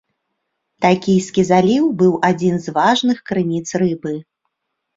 Такійскі заліў быў адзін з важных крыніц рыбы.